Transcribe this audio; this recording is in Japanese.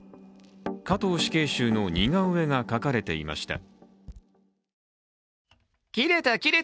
加藤死刑囚の似顔絵が書かれていました。